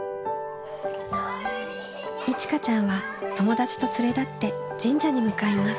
いちかちゃんは友達と連れ立って神社に向かいます。